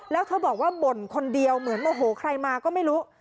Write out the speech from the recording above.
แล้วเธอบอกว่าบ่นคนเดียวเหมือนโมโหใครมาก็ไม่รู้